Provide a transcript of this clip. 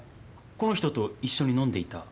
この人と一緒に飲んでいた。